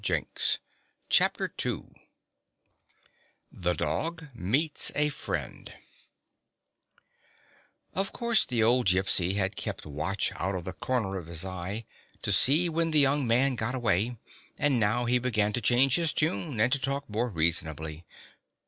24 CHAPTER II THE DOG MEETS A FKIEND O F course, the old Gypsy had kept watch out of the corner of his eye to see when the young man got away, and now he began to change his tune and to talk more reasonably.